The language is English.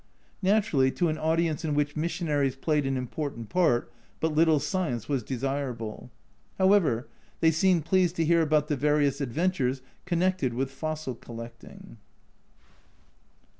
Naturally, to an audience in which missionaries played an important part, but little science was desirable. However, they seemed pleased to hear about the various adventures con nected with fossil collecting.